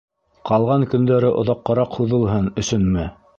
Ҡалған көндәре оҙаҡҡараҡ һуҙылһын өсөнмө?